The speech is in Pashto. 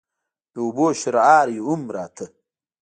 د اوبو شرهار هم راته.